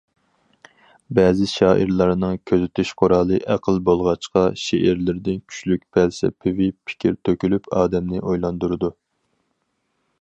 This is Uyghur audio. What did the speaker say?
بەزى شائىرلارنىڭ كۆزىتىش قورالى ئەقىل بولغاچقا، شېئىرلىرىدىن كۈچلۈك پەلسەپىۋى پىكىر تۆكۈلۈپ ئادەمنى ئويلاندۇرىدۇ.